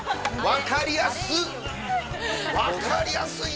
分かりやすい。